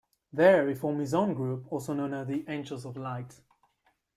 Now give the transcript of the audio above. There he formed his own group also known as the Angels of Light.